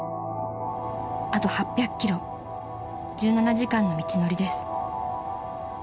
［あと８００ｋｍ１７時間の道のりです］